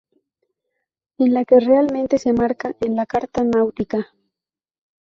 Es la que realmente se marca en la carta náutica.